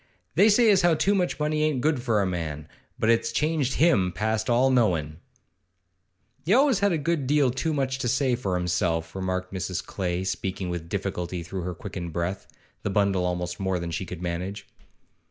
They say as how too much money ain't good for a man, but it's changed him past all knowin'.' 'He always had a good deal too much to say for himself,' remarked Mrs. Clay, speaking with difficulty through her quickened breath, the bundle almost more than she could manage.